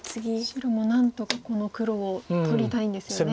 白も何とかこの黒を取りたいんですよね。